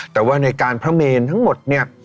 แต่ว่าในการพระเมนทั้งหมด